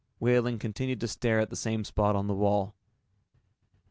Wehling continued to stare at the same spot on the wall.